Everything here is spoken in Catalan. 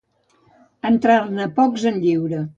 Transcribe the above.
Entrar-ne pocs en lliura.